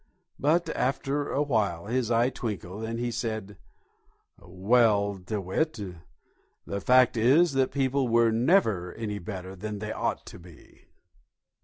But after awhile his eye twinkled and he said: "Well, DeWitt, the fact is that people were never any better than they ought to be."